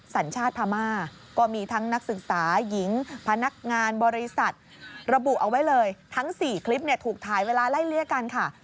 สัญชาติพม่าก็มีทั้งนักศึกษาหญิงพนักงานบริษัทระบุเอาไว้เลยทั้ง๔คลิปเนี่ยถูกถ่ายเวลาไล่เลี่ยกันค่ะ